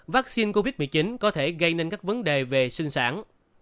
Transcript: vaccine covid một mươi chín có thể gây nên các vấn đề về sinh sản